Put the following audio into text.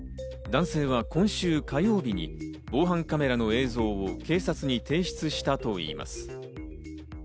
男性は今週火曜日に防犯カメラの映像を警察に提出したといいます。